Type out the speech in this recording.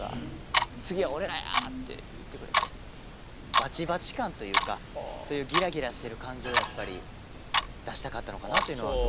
バチバチ感というかそういうギラギラしてる感じをやっぱり出したかったのかなというのはすごく感じますけど。